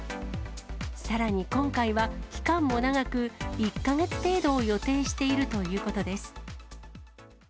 さらに今回は期間も長く、１か月程度を予定しているということです。